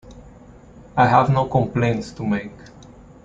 I have no complaints to make.